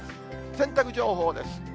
洗濯情報です。